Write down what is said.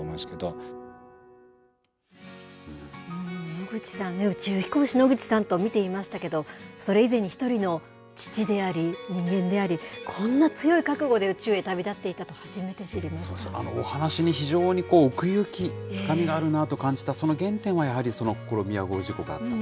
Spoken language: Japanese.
野口さん、宇宙飛行士、野口さんと見ていましたけど、それ以前に一人の父であり、人間であり、こんな強い覚悟で宇宙へ旅立って行ったと、お話に非常に奥行き、深みがあるなと感じた、そのげんてんにはやはりコロンビア号事故があった。